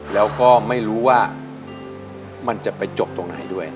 แล้วก็ไม่รู้ว่ามันจะไปจบตรงไหนด้วย